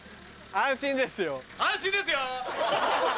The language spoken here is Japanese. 安心ですよ！